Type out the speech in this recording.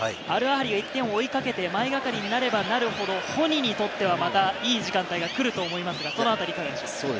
アルアハリが１点を追いかけて前がかりになればなるほどホニにとってはいい時間帯が来ると思いますが、それあたりは？